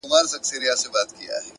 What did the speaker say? خپل هدفونه لوړ وساتئ.!